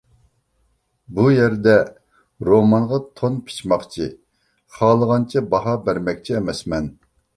بۇ يەردە رومانغا تون پىچماقچى، خالىغانچە باھا بەرمەكچى ئەمەسمەن.